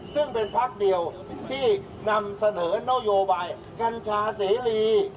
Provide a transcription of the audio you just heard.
ซึ่งเป็นพักเดียวที่นำเสนอนโยบายกัญชาเสรี